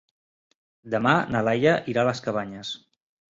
Demà na Laia irà a les Cabanyes.